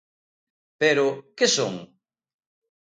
Pero, que son?